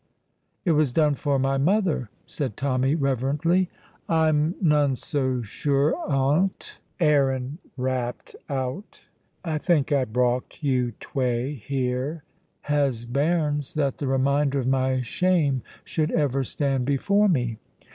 "It was done for my mother," said Tommy, reverently. "I'm none so sure o't," Aaron rapped out. "I think I brocht you twa here as bairns, that the reminder of my shame should ever stand before me."